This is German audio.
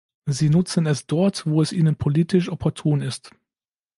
Sie nutzen es dort, wo es Ihnen politisch opportun ist.